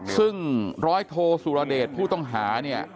ซึ่งร้อยโทสุรเดชผู้ต้องหาเนี่ย